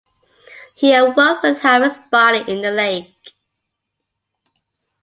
He awoke with half his body in the lake.